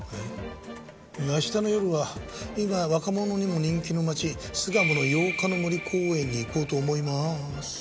「明日の夜は今若者にも人気の街巣鴨の八日の森公園に行こうと思います」